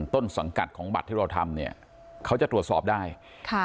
ต้นสังกัดของบัตรที่เราทำเนี่ยเขาจะตรวจสอบได้ค่ะ